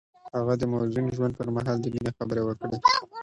هغه د موزون ژوند پر مهال د مینې خبرې وکړې.